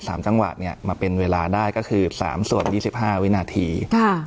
สามจังหวะเนี้ยมาเป็นเวลาได้ก็คือสามส่วนยี่สิบห้าวินาทีค่ะ